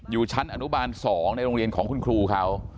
อยู่ชั้นอนุบาล๒ในโรงเรียนของคุณครูเขา